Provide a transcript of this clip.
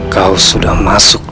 kau sudah masuk